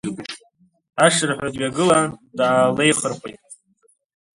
Ашырҳәа дҩагылан, даалеихырхәеит.